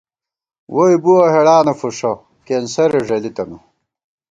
ووئی بُوَہ ہېڑانہ فُݭہ، کېنسَرے ݫَلِی تَنہ